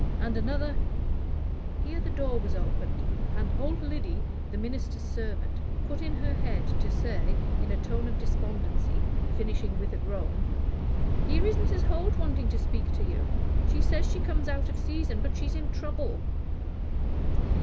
And another " Here the door was opened, and old Lyddy, the minister's servant, put in her head to say, in a tone of despondency, finishing with a groan, "Here is Mrs. Holt wanting to speak to you; she says she comes out of season, but she's in trouble."